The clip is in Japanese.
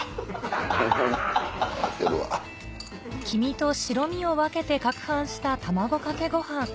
黄身と白身を分けて攪拌した卵かけご飯